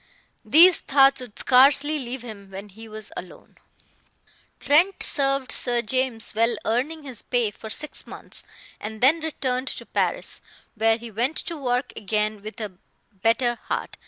These thoughts would scarcely leave him when he was alone. Trent served Sir James, well earning his pay, for six months, and then returned to Paris, where he went to work again with a better heart.